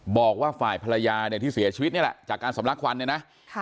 บอกว่าฝ่ายภรรยาเนี่ยที่เสียชีวิตนี่แหละจากการสำลักควันเนี่ยนะ